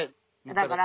だから。